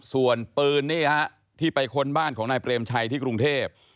ส่วนปืนนี่ฮะที่ไปค้นบ้านของนายเปรมชัยที่กรุงเทพ